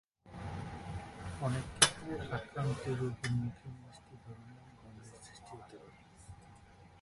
অনেক ক্ষেত্রে আক্রান্ত রোগীর মুখে মিষ্টি ধরনের গন্ধের সৃষ্টি হতে পারে।